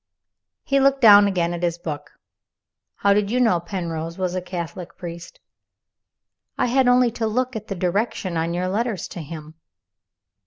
He looked down again at his book. "How did you know Penrose was a Catholic priest?" "I had only to look at the direction on your letters to him."